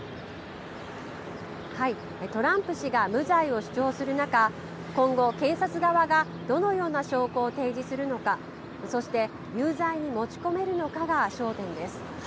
トランプ氏が無罪を主張する中、今後、検察側がどのような証拠を提示するのか、そして有罪に持ち込めるのかが焦点です。